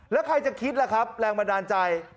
แล้วใครจะคิดล่ะครับแรงบันดาลใจ